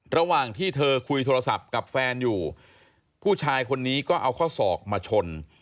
ระหว่างที่เธอคุยโทรศัพท์กับแฟนอยู่ผู้ชายคนนี้ก็เอาข้อศอกมาชน